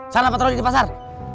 saya nampak terlalu jauh di pasar